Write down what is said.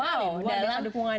dalam satu hari